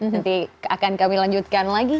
nanti akan kami lanjutkan lagi